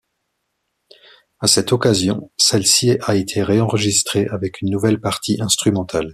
À cette occasion, celle-ci a été ré-enregistrée avec une nouvelle partie instrumentale.